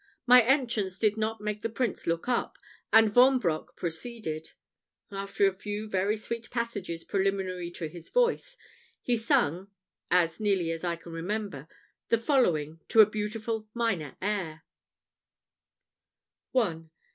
My entrance did not make the Prince look up, and Vanbroc proceeded. After a few very sweet passages preliminary to his voice, he sung, as nearly as I can remember, the following, to a beautiful minor air: SONG.